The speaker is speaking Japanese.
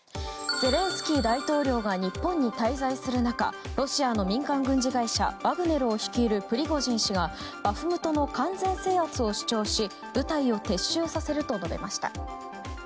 ゼレンスキー大統領が日本に滞在する中ロシアの民間軍事会社ワグネルを率いるプリゴジン氏がバフムトの完全制圧を主張し部隊を撤収させると述べました。